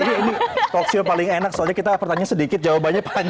ini talkshow paling enak soalnya kita bertanya sedikit jawabannya panjang